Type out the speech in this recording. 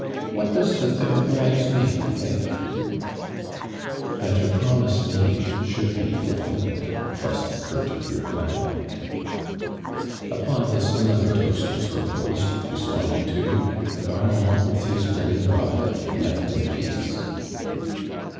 What does the fair brides maid think I " That a promise made should be ful filled," was tne curt reply. Upon this another toast was propcsed. responded to, and Arnumd with his brim ming goblet left in peace.